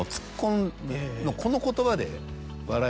この言葉で。